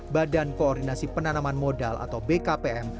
badan koordinasi penanaman modal atau bkpm